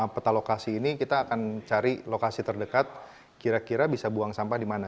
peta lokasi ini kita akan cari lokasi terdekat kira kira bisa buang sampah di mana